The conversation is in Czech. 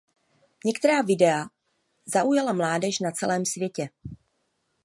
Některá videa zaujala mládež na celém světě.